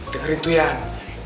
dengarin tuh yan